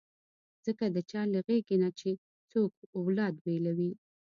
ځکه د چا له غېږې نه چې څوک اولاد بېلوي.